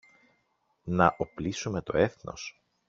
να οπλίσουμε το έθνος.